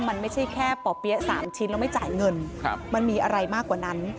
มันไม่ใช่แค่ป่อเปี๊ยะ๓ชิ้นแล้วไม่จ่ายเงินมันมีอะไรมากกว่านั้น